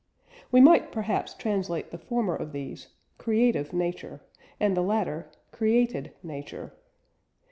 We might perhaps translate the former of these, "Creative Nature," and the latter, "Created Nature."